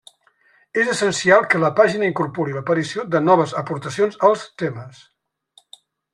És essencial que la pàgina incorpori l'aparició de noves aportacions als temes.